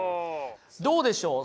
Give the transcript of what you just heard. どうでしょう？